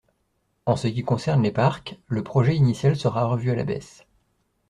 En ce qui concerne les parcs, le projet initial sera revu à la baisse.